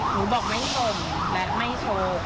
หนูบอกไม่ชมและไม่โชว์